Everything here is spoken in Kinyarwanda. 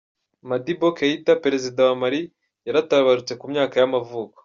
Modibo Keïta, perezida wa Mali yaratabarutse, ku myaka y’amavuko.